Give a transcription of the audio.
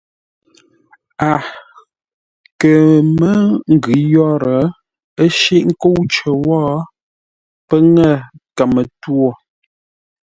A kə̂ mə́ ngʉ̌ yə́rə́, ə́ shíʼ nkə́u cər wó, pə́ ŋə̂ kəmə-twô.